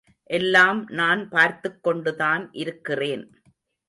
எல்லாம் நான் பார்த்துக்கொண்டுதான் இருக்கிறேன்.